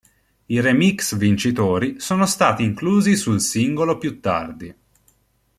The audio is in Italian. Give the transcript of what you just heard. I remix vincitori sono stati inclusi sul singolo più tardi.